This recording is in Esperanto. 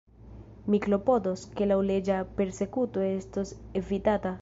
Mi klopodos, ke laŭleĝa persekuto estos evitata.